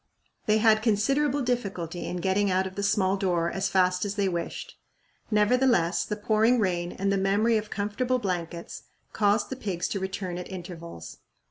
They had considerable difficulty in getting out of the small door as fast as they wished. Nevertheless, the pouring rain and the memory of comfortable blankets caused the pigs to return at intervals.